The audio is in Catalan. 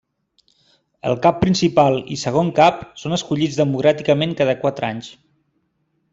El Cap Principal i Segon Cap són escollits democràticament cada quatre anys.